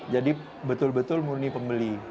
jadi betul betul murni pembeli